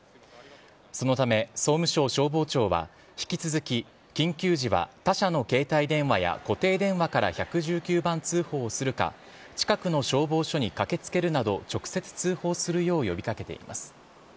そのため、総務省消防庁は、引き続き緊急時は他社の携帯電話や固定電話から１１９番通報をするか、近くの消防署に駆けつけるなど、直接通報するよう呼びかけています。